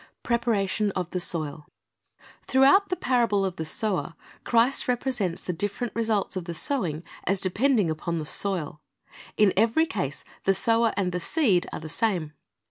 "^ PREPARATION OF THE SOIL Throughout the parable of the sower, Christ represents the different results of the sowing as depending upon the soil. In every case the sower and the seed are the same.